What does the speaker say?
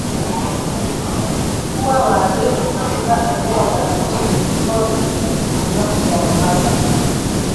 kuwa wahalifu katika eneo la Likoni kaunti ya Mombasa